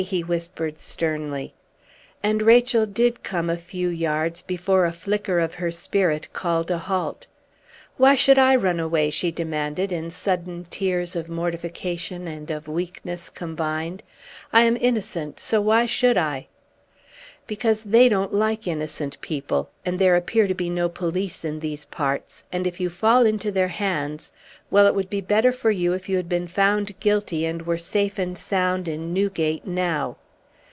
he whispered, sternly. And Rachel did come a few yards before a flicker of her spirit called a halt. "Why should I run away?" she demanded, in sudden tears of mortification and of weakness combined. "I am innocent so why should I?" "Because they don't like innocent people; and there appear to be no police in these parts; and if you fall into their hands well, it would be better for you if you had been found guilty and were safe and sound in Newgate now!"